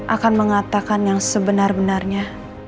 akan mengatakan yang sebenar benarnya